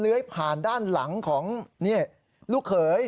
ผ่านด้านหลังของลูกเขย